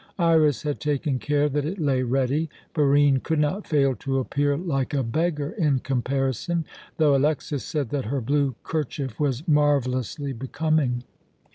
Iras had taken care that it lay ready. Barine could not fail to appear like a beggar in comparison, though Alexas said that her blue kerchief was marvellously becoming.